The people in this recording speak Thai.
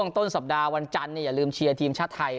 ต้นสัปดาห์วันจันทร์อย่าลืมเชียร์ทีมชาติไทย